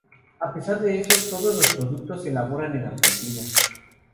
A pesar de esto, todos los productos se elaboran en Argentina.